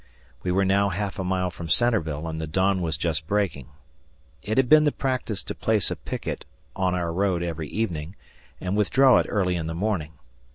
We were now half a mile from Centreville, and the dawn was just breaking. It had been the practice to place a picket on our road every evening and withdraw it early in the morning.